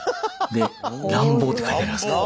で乱暴って書いてありますから。